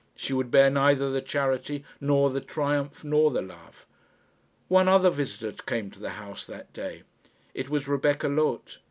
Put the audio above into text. She would bear neither the charity, nor the triumph, nor the love. One other visitor came to the house that day. It was Rebecca Loth.